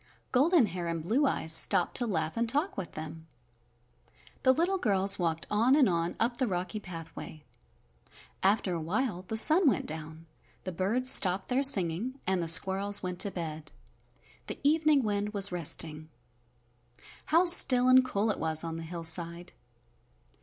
Golden Hair and Blue Eyes stopped to laugh and talk with them. The little girls walked on and on up the rocky pathway. After a while the sun went down, the birds stopped their singing, and the squirrels went to bed. The evening wind was resting. How still and cool it was on the hillside!